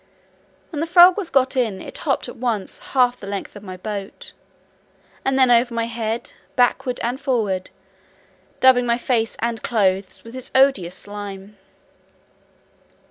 When the frog was got in, it hopped at once half the length of the boat, and then over my head, backward and forward, daubing my face and clothes with its odious slime.